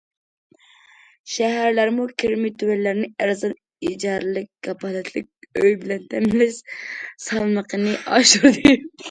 شەھەرلەرمۇ كىرىمى تۆۋەنلەرنى ئەرزان ئىجارىلىك كاپالەتلىك ئۆي بىلەن تەمىنلەش سالمىقىنى ئاشۇردى.